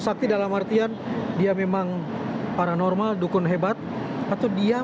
sakti dalam artian dia memang paranormal dukun hebat atau dia